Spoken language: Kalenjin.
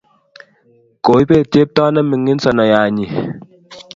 koibet chepto ne mining sonoya nyi